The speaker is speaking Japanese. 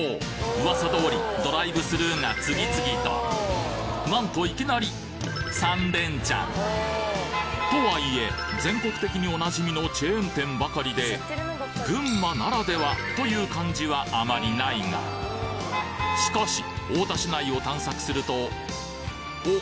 噂通りドライブスルーが次々となんといきなり３連チャンとはいえ全国的にお馴染みのチェーン店ばかりで群馬ならではという感じはあまりないがしかし太田市内を探索するとお！